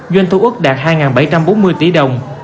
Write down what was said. doanh thu ước đạt hai bảy trăm bốn mươi tỷ đồng